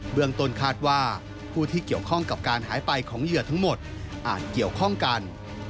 เมืองต้นคาดว่าผู้ที่เกี่ยวข้องกับการหายไปของเหยื่อทั้งหมดอาจเกี่ยวข้องกัน